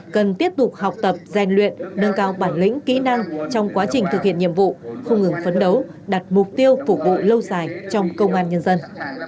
cần tiếp tục học tập gian luyện nâng cao bản lĩnh kỹ năng trong quá trình thực hiện nhiệm vụ không ngừng phấn đấu đặt mục tiêu phục vụ lâu dài trong công an nhân dân